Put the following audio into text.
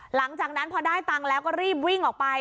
หลังจากนั้นพอได้ตังค์แล้วก็รีบวิ่งออกไป